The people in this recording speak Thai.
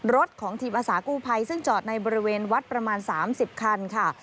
รถของทีมอาสากู้ภัยซึ่งจอดในบริเวณวัดประมาณ๓๐คันค่ะ